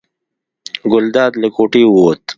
ګلداد له کوټې ووت.